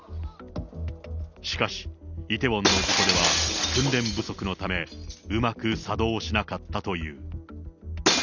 しかし、イテウォンの事故では、訓練不足のためうまく作動しなかったという。